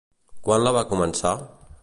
Quan la va començar?